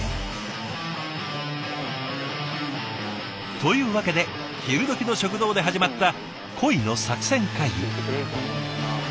というわけで昼どきの食堂で始まった恋の作戦会議。